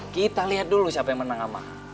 kita lihat dulu siapa yang menang sama